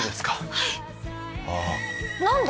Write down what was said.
はいあっ何で？